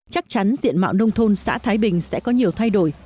chắc chắn diện mạo nông thôn xã thái bình sẽ có nhiều thay đổi